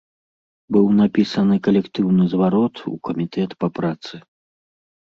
Быў напісаны калектыўны зварот у камітэт па працы.